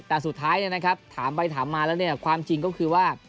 แต่สุดท้ายถามไปถามมาแล้วความจริงก็คือว่า